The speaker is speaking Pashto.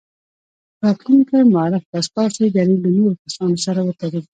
راتلونکی مورخ به ستاسې دریځ له نورو کسانو سره وتلي.